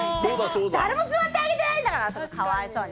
誰も座ってあげてないんだからかわいそうに。